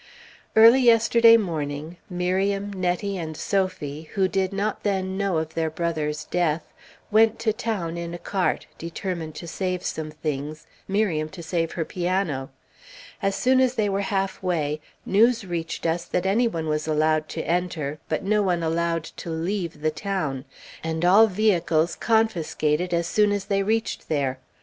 Early yesterday morning, Miriam, Nettie, and Sophie, who did not then know of their brother's death, went to town in a cart, determined to save some things, Miriam to save her piano. As soon as they were halfway, news reached us that any one was allowed to enter, but none allowed to leave the town, and all vehicles confiscated as soon as they reached there.